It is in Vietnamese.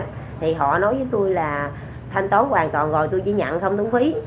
thì họ nói với tôi là thanh tốn hoàn toàn rồi tôi chỉ nhận không tốn phí